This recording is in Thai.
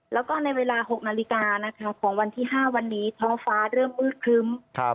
แล้วก็ในเวลา๐๖๐๐นของวันที่๐๕๐๐นท้องฟ้าเริ่มมืดคลึ้ม